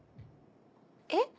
えっ？